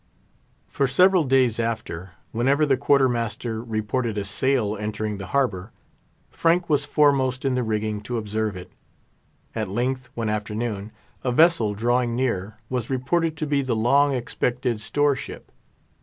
For several days after, whenever the quarter master reported a sail entering the harbour, Frank was foremost in the rigging to observe it. At length, one afternoon, a vessel drawing near was reported to be the long expected store ship.